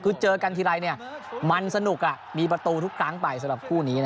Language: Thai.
คือเจอกันทีไรมันสนุกมีประตูทุกครั้งไปสำหรับคู่นี้